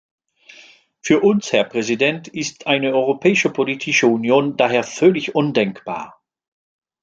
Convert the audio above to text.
Für uns, Herr Präsident, ist eine europäische politische Union daher völlig undenkbar.